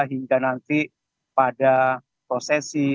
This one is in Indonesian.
hingga nanti pada prosesi